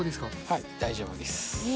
はい大丈夫です。